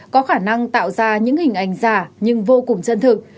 có khả năng tạo ra những hình ảnh giả nhưng vô cùng chân thực